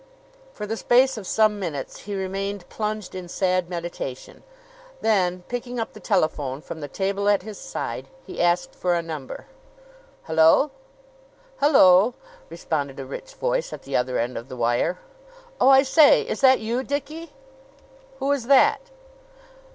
For the space of some minutes he remained plunged in sad meditation; then, picking up the telephone from the table at his side, he asked for a number. "Hello!" "Hello!" responded a rich voice at the other end of the wire. "Oh, I say! Is that you, Dickie?" "Who is that?"